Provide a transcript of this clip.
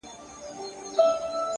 د ځان وژني د رسۍ خریدارۍ ته ولاړم”